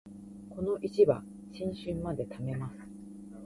この石は新春まで貯めます